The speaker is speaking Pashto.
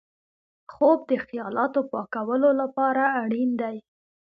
خوب د خیالاتو پاکولو لپاره اړین دی